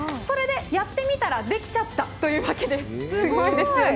それで、やってみたらできちゃったという訳です。